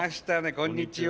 こんにちは。